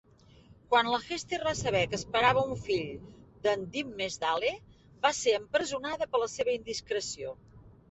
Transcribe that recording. Quan la Hester va saber que esperava un fill d"en Dimmesdale, va ser empresonada per la seva indiscreció.